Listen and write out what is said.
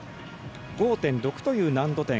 ５．６という難度点。